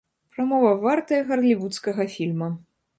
Прамова вартая галівудскага фільма.